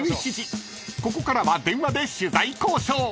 ［ここからは電話で取材交渉］